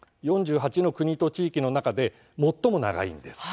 ４８の国と地域の中で最も長いんです。